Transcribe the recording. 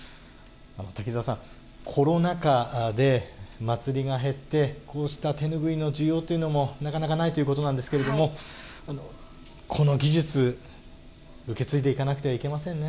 瀧澤さんコロナ禍で祭りが減ってこうした手拭いの需要というのもなかなかないということなんですけれどもこの技術受け継いでいかなくてはいけませんね。